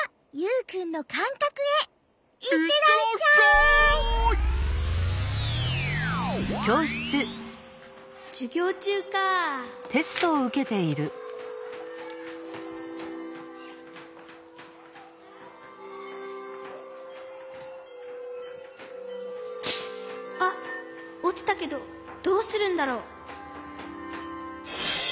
こころのこえあっおちたけどどうするんだろう？